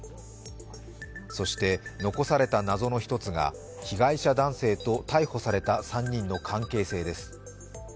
そして残された謎の１つが被害者男性と逮捕された３人の関係性です。